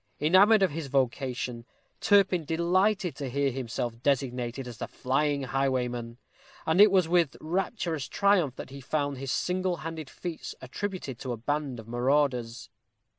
Enamored of his vocation, Turpin delighted to hear himself designated as the Flying Highwayman; and it was with rapturous triumph that he found his single handed feats attributed to a band of marauders.